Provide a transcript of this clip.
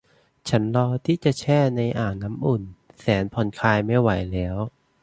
ฉันรอที่จะแช่ในอ่างน้ำอุ่นแสนผ่อนคลายไม่ไหวแล้ว